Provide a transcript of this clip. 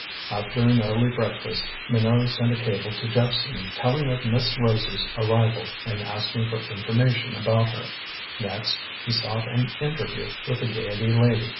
After an early breakfast, Minot sent a cable to Jephson telling of Miss Rose's arrival and asking for information about her. Next he sought an interview with the Gaiety lady.